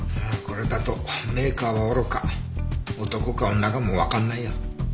これだとメーカーはおろか男か女かもわかんないよ。